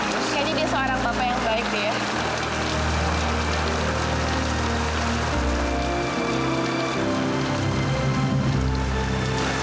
kayaknya dia seorang bapak yang baik deh